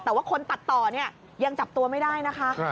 แต่ว่าคนตัดต่อเนี่ยยังจับตัวไม่ได้นะคะ